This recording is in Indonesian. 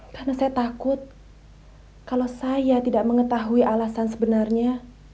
karena saya takut kalau saya tidak mengetahui alasan sebenarnya